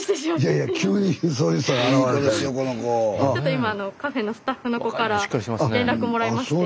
今カフェのスタッフの子から連絡もらいまして。